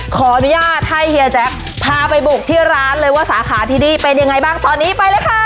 ขออนุญาตให้เฮียแจ๊คพาไปบุกที่ร้านเลยว่าสาขาที่นี่เป็นยังไงบ้างตอนนี้ไปเลยค่ะ